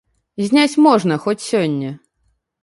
Зняць можна, хоць сёння.